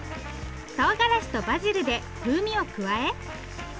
とうがらしとバジルで風味を加え。